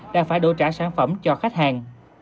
đã phải đổ trả sản phẩm cho khách hàng